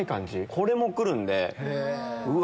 これも来るんでうわ